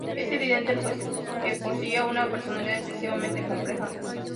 Es evidente, pues, que poseía una personalidad excesivamente compleja.